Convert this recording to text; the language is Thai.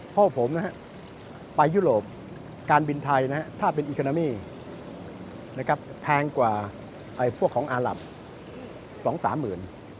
พ่อผมนะฮะไปยุโรปการบินไทยถ้าเป็นอิคานามีแพงกว่าพวกของอาหลับ๒๓หมื่น